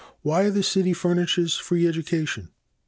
Why the city furnishes free education.